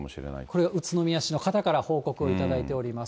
これ、宇都宮市の方から報告をいただいております。